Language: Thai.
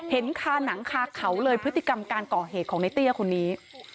คาหนังคาเขาเลยพฤติกรรมการก่อเหตุของในเตี้ยคนนี้